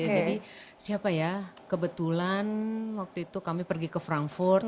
jadi siapa ya kebetulan waktu itu kami pergi ke frankfurt